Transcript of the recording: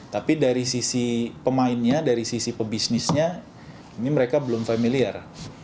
tapi dari sisi pemainnya dari sisi pebisnisnya ini mereka belum familiar